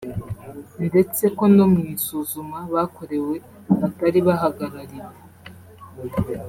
ndetse ko no mu isuzuma bakorewe batari bahagarariwe